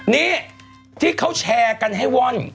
นี่ที่เขาแชร์กันให้ว่อน